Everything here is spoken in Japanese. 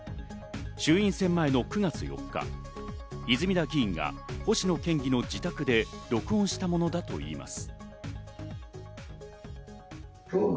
衆院選前の９月４日、泉田議員が星野県議の自宅で録音したものだといいます。